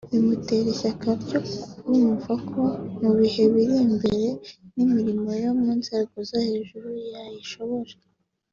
bimutera ishyaka ryo kumva ko mu bihe biri imbere n’imirimo yo mu nzego zo hejuru yayishobora